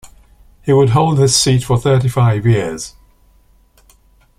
He would hold this seat for thirty-five years.